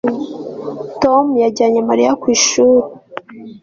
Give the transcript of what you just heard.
Tom yajyanye Mariya ku ishuri